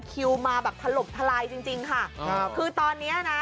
คิวมาแบบถลบทลายจริงจริงค่ะครับคือตอนเนี้ยนะ